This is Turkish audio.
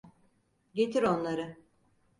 Getir onları.